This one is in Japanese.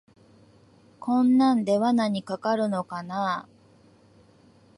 こんなんで罠にかかるのかなあ